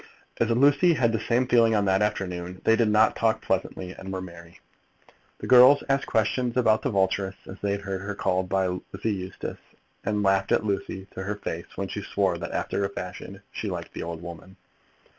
As Lucy had the same feelings on that afternoon, they did talk pleasantly and were merry. The girls asked questions about the Vulturess, as they had heard her called by Lizzie Eustace, and laughed at Lucy to her face when she swore that, after a fashion, she liked the old woman.